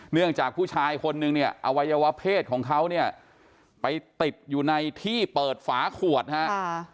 เนื่องจากผู้ชายคนนึงเนี่ยอวัยวะเพศของเขาเนี่ยไปติดอยู่ในที่เปิดฝาขวดฮะ